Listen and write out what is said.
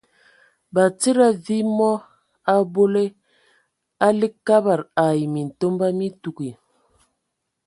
Batsidi, a viimɔ a a abole, a ligi Kabad ai Mintomba mi tuugi.